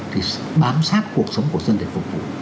thì bám sát cuộc sống của dân để phục vụ